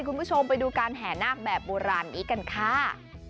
คุณผู้ชมไปดูการแห่นาคแบบโบราณนี้กันค่ะ